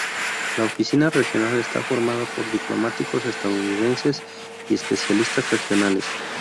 La Oficina Regional está formada por diplomáticos estadounidenses y especialistas regionales.